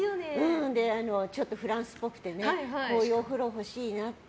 ちょっとフランスっぽくてこういうお風呂欲しいなって。